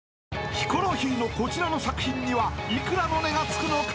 ［ヒコロヒーのこちらの作品には幾らの値がつくのか？］